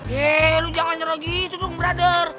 ye lo jangan nyerah gitu dong brother